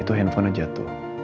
itu handphonenya jatuh